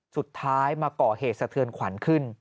สุดท้ายมาก่อเหตุสะเทือนขวัญขึ้น